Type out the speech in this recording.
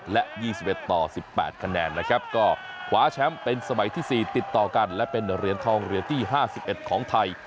และยี่สิบเอ็ดต่อสิบแปดคะแนนนะครับก็ขวาแชมป์เป็นสมัยที่สี่ติดต่อกันและเป็นเหรียญทองเหรียญที่ห้าสิบเอ็ดของไทย